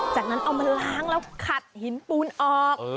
จากนั้นเอามาล้างแล้วขัดหินปูนออก